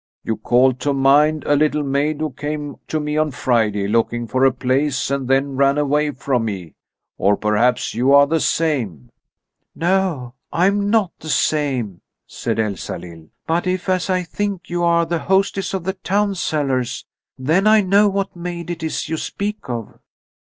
"You call to my mind a little maid who came to me on Friday looking for a place and then ran away from me. Or perhaps you are the same?" "No, I am not the same," said Elsalill, "but if, as I think, you are the hostess of the Town Cellars, then I know what maid it is you speak of."